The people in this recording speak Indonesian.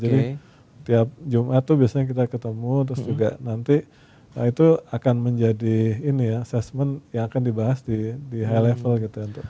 jadi tiap jumat itu biasanya kita ketemu terus juga nanti itu akan menjadi ini ya assessment yang akan dibahas di high level gitu